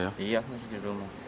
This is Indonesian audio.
iya masih di rumah